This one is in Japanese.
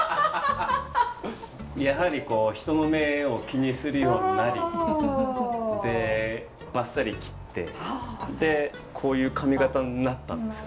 やはりこう人の目を気にするようになりでバッサリ切ってこういう髪形になったんですよ。